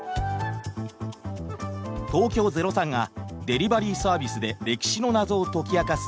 東京０３がデリバリーサービスで歴史の謎を解き明かす